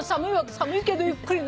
寒いけどゆっくりね。